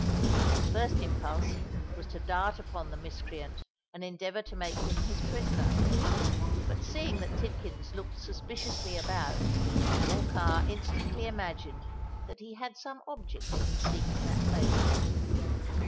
His first impulse was to dart upon the miscreant and endeavour to make him his prisoner; but, seeing that Tidkins looked suspiciously about, Morcar instantly imagined that he had some object in seeking that place.